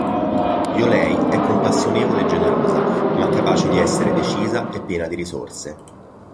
Yolei è compassionevole e generosa, ma capace di essere decisa e piena di risorse.